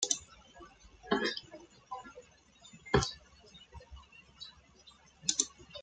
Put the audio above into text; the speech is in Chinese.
菲斯特是位于美国亚利桑那州阿帕契县的一个非建制地区。